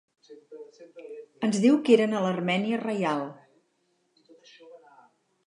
Ens diu que eren a l'Armeria Reial.